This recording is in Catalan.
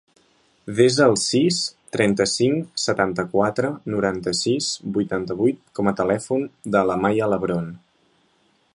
Desa el sis, trenta-cinc, setanta-quatre, noranta-sis, vuitanta-vuit com a telèfon de la Maya Lebron.